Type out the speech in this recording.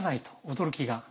驚きが。